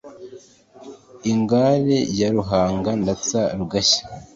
Ingare ya Ruhanga ndatsa rugashya.